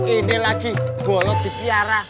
ini lagi bolot di piara